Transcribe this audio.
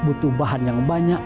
butuh bahan yang banyak